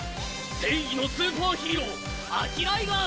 正義のスーパーヒーローアキライガー参。